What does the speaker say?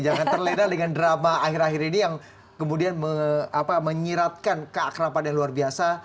jangan terledah dengan drama akhir akhir ini yang kemudian menyiratkan keakrapan yang luar biasa